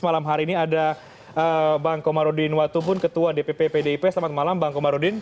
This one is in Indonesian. malam hari ini ada bang komarudin watubun ketua dpp pdip selamat malam bang komarudin